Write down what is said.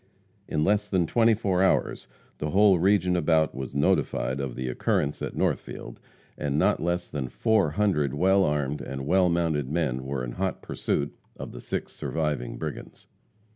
In less than twenty four hours the whole region about was notified of the occurrence at Northfield, and not less than four hundred well armed and well mounted men were in hot pursuit of the six surviving brigands.